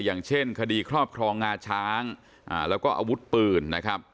อย่างเช่นคดีครอบครองงาช้างแล้วก็อาวุธปืนนะครับ